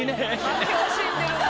負け惜しんでるな。